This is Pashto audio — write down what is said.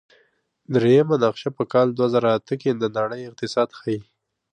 دریمه نقشه په کال دوه زره اته کې د نړۍ اقتصاد ښيي.